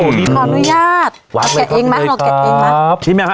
ขออนุญาตหวานเลยครับเอาเก็บเองมาเอาเก็บเองมาครับพี่แมวค่ะ